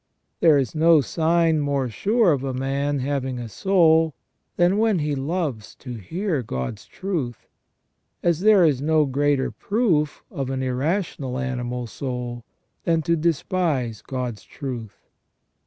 There is no sign more sure of a man having a soul than when he loves to hear God's truth, as there is no greater proof of an irrational animal soul than to despise God's truth.